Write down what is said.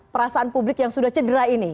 perasaan publik yang sudah cedera ini